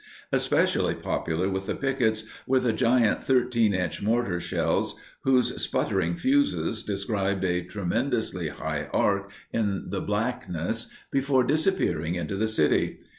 Especially popular with the pickets were the giant 13 inch mortar shells whose sputtering fuses described a tremendously high arc in the blackness before disappearing into the city.